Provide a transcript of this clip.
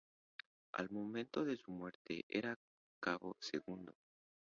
Al momento de su muerte era cabo segundo.